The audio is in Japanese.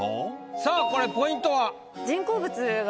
さあこれポイントは？